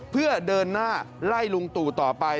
เพื่อเดินหน้าไล่ลุงตู่ต่อไป